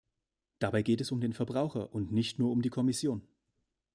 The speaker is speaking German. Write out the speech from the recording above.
Dabei geht es um den Verbraucher und nicht nur um die Kommission.